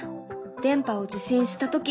「電波を受信したとき」。